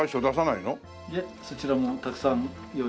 いえそちらもたくさん用意して。